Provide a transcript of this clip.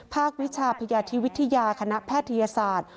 วิชาพยาธิวิทยาคณะแพทยศาสตร์